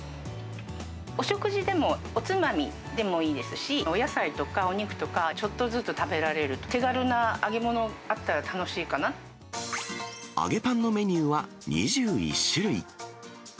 お食事でもおつまみでもいいですし、お野菜とかお肉とか、ちょっとずつ食べられる、揚げパンのメニューは２１種類。